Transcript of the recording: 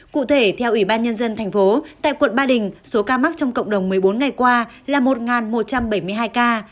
cụ thể theo ủy ban nhân dân tp tại quận ba đình số ca mắc trong cộng đồng một mươi bốn ngày qua là một một trăm bảy mươi hai ca